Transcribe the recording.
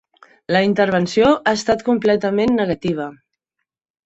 La intervenció ha estat completament negativa.